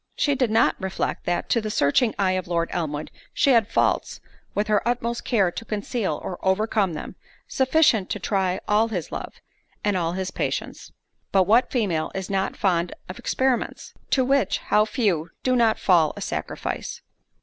she did not reflect, that to the searching eye of Lord Elmwood, she had faults, with her utmost care to conceal or overcome them, sufficient to try all his love, and all his patience. But what female is not fond of experiments? To which, how few do not fall a sacrifice!